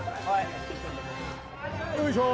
よいしょ。